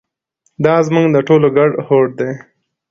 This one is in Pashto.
دا زموږ د ټولو ګډ هوډ دی.